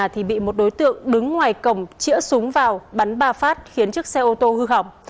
thì bị một đối tượng đứng ngoài cổng chĩa súng vào bắn ba phát khiến chiếc xe ô tô hư hỏng